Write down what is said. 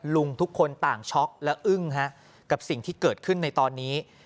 ลุงพลต่างช็อกและอึ้งกับสิ่งที่เกิดขึ้นในตอนนี้